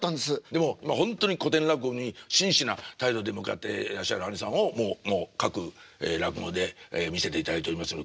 でもほんとに古典落語に真摯な態度で向かってらっしゃるあにさんをもう各落語で見せていただいております。